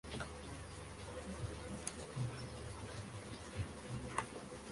La fauna característica es variada y abundante.